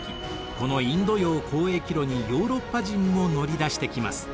このインド洋交易路にヨーロッパ人も乗り出してきます。